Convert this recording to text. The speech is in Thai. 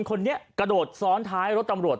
คนนี้กระโดดซ้อนท้ายรถตำรวจ